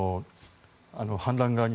反乱側に。